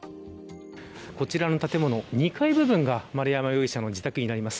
こちらの建物、２階部分が丸山容疑者の自宅になります。